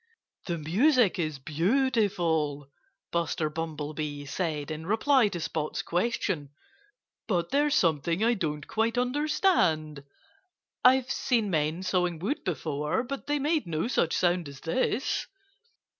"The music is beautiful," Buster Bumblebee said in reply to Spot's question. "But there's something I don't quite understand. I've seen men sawing wood before, but they made no such sound as this."